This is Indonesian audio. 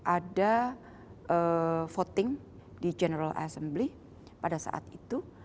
ada voting di general assembly pada saat itu